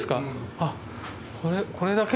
あっこれだけ？